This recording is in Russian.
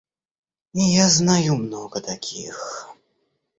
И я знаю много таких.